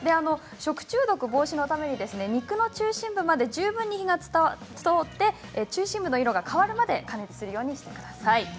食中毒防止のために肉の中心部まで十分に火が通って中心部の色が変わるまで加熱するようにしてください。